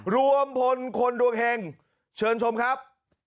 รวมพลคนดวงเห็งเชิญชมครับ